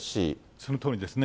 そのとおりですね。